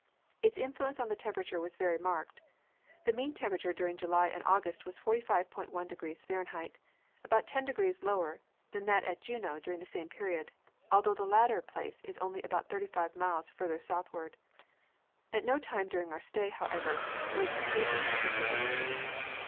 Its influence on the temperature was very marked. The mean temperature during July and August was 45°. 1 F., about 10° lower than that at Juneau during the same period, although this latter place is only about 35 miles further south ward. At no time during our stay, however, was a freezing tem perature reached.